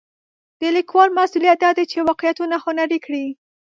د لیکوال مسوولیت دا دی چې واقعیتونه هنري کړي.